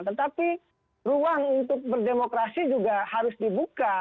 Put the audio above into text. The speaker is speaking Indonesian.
tetapi ruang untuk berdemokrasi juga harus dibuka